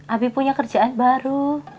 abi punya kerjaan baru